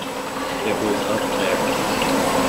It was up there.